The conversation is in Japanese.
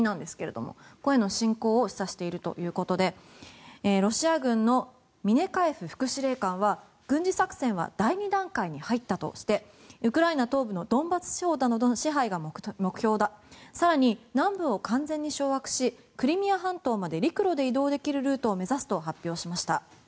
ここへの侵攻を示唆しているということでロシア軍のミネカエフ副司令官は軍事作戦は第２段階に入ったとしてウクライナ東部のドンバス地方などの支配が目標だ更に南部を完全に掌握しクリミア半島まで陸路で移動できるルートを目指すと発表しました。